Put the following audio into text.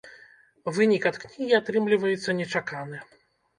Вынік ад кнігі атрымліваецца нечаканы.